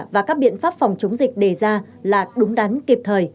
và các biện pháp phòng chống dịch đề ra là đúng đắn kịp thời